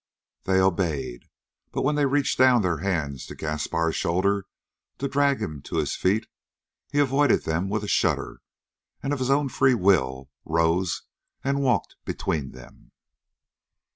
They obeyed. But when they reached down their hands to Gaspar's shoulders to drag him to his feet, he avoided them with a shudder and of his own free will rose and walked between them.